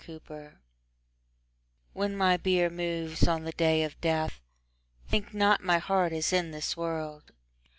VIII When my bier moves on the day of death, Think not my heart is in this world.